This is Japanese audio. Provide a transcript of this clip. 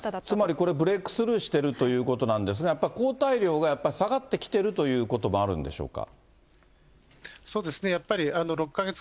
つまりこれ、ブレークスルーしているということなんですが、やっぱり抗体量が下がってきてるということもあるんでしょうか。